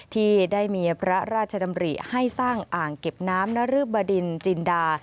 ที่ได้มีพระราชดำริให้สร้างอ่างเก็บน้ำนรึบดินจินดา